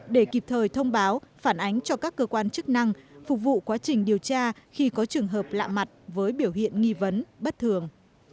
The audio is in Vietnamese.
để kịp thời thông báo phản ánh cho các cơ quan chức năng phục vụ quá trình điều tra khi có trường hợp lạ mặt với biểu hiện nghi vấn bất thường